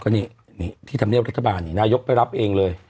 นี่ที่ธรรมเนียบรัฐบาลนี่นายกไปรับเองเลย